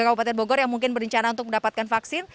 kabupaten bogor yang mungkin berencana untuk mendapatkan vaksin